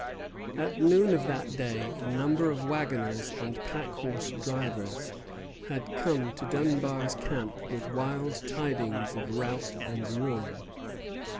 At noon of that day a number of wagoners and packhorse drivers had come to Dunbar's camp with wild tidings of rout and ruin.